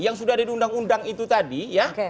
yang sudah diundang undang itu tadi ya